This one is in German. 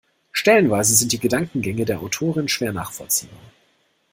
Stellenweise sind die Gedankengänge der Autorin schwer nachvollziehbar.